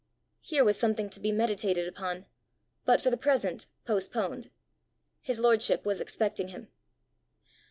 Here was something to be meditated upon but for the present postponed! His lordship was expecting him!